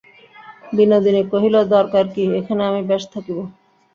বিনোদিনী কহিল, দরকার কী, এখানে আমি বেশ থাকিব।